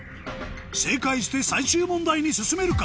正解して最終問題に進めるか？